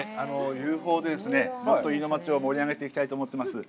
ＵＦＯでもっと飯野町を盛り上げていきたいと思っています。